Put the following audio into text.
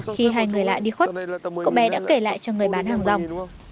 khi hai người lại đi khuất cậu bé đã kể lại cho người bán hàng dòng